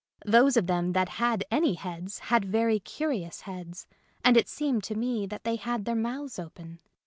Those of them that had any heads had very curious heads, and it seemed to me that they had their mouths open.